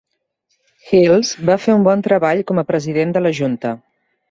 Hills va fer un bon treball com a president de la junta.